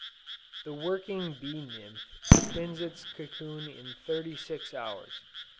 "The working bee nymph spins its cocoon in thirty six hours.